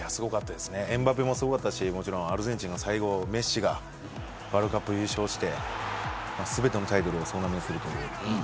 エムバぺもすごかったしアルゼンチンは最後メッシがワールドカップを優勝して全てのタイトルを総なめにする。